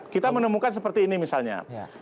kita menemukan seperti ini misalnya